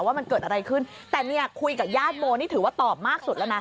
ว่ามันเกิดอะไรขึ้นแต่เนี่ยคุยกับญาติโมนี่ถือว่าตอบมากสุดแล้วนะ